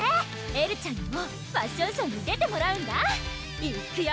エルちゃんにもファッションショーに出てもらうんだいっくよ！